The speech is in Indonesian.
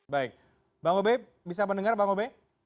baik bang obe bisa mendengar bang obe